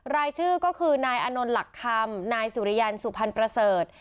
รายชื่อก็คือนายอานนท์หลักคำนายสุริยันสุพรรณประเสริฐ